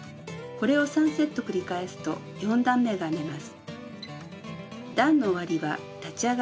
これを３セット繰り返すと４段めが編めます。